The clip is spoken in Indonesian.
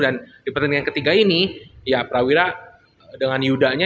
dan di pertandingan ketiga ini ya prawira dengan yudha nya